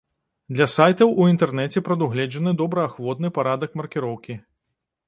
Для сайтаў у інтэрнэце прадугледжаны добраахвотны парадак маркіроўкі.